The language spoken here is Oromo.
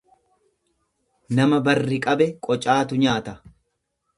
Nama barri qabe qocaatu nyaata.